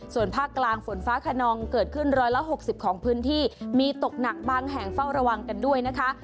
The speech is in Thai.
ส่วนภาคกลางฝนฟ้าขนองเกิดขึ้น๑๖๐ของพื้นที่มีตกหนักบางแห่งเฝ้าระวังกันด้วยนะคะ